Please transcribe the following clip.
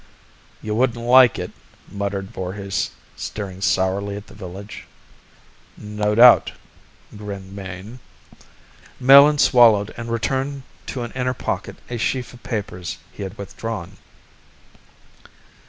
"You wouldn't like it," muttered Voorhis, staring sourly at the village. "No doubt," grinned Mayne. Melin swallowed and returned to an inner pocket a sheaf of papers he had withdrawn.